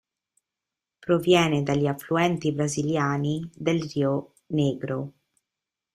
Proviene dagli affluenti brasiliani del Rio negro.